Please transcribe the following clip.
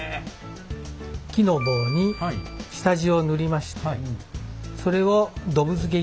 木の棒に下地を塗りましてそれをドブ漬け。